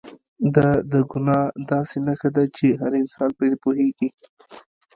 دا د ګناه داسې نښه ده چې هر انسان پرې پوهېږي.